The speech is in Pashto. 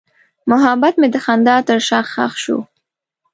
محبت مې د خندا تر شا ښخ شو.